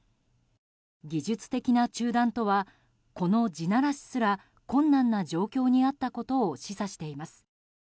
技術的な中断とはこの地ならしすら困難な状況にあったことを示唆しています。